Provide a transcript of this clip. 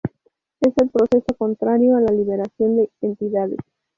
Es el proceso contrario a la liberación de entidades.